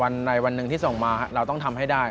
ใดวันหนึ่งที่ส่งมาเราต้องทำให้ได้